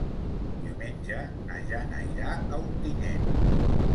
Diumenge na Jana irà a Ontinyent.